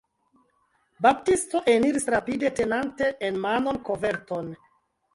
Baptisto eniris rapide, tenante en mano koverton.